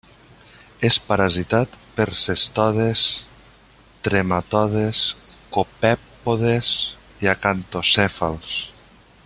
És parasitat per cestodes, trematodes, copèpodes i acantocèfals.